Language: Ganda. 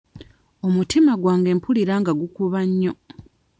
Omutima gwange mpulira nga gukuba nnyo.